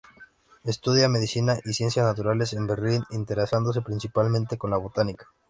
Estudia medicina y Ciencias naturales en Berlín, interesándose principalmente con la botánica.